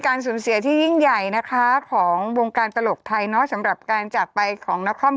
สูญเสียที่ยิ่งใหญ่นะคะของวงการตลกไทยเนอะสำหรับการจากไปของนคร